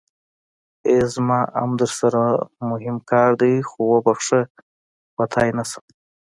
ای زما ام درسره موهم کار دی خو وبښه وتی نشم.